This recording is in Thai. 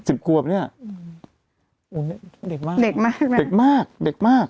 สิบขวบเนี้ยอุ้ยเด็กมากเด็กมากเด็กมากเด็กมาก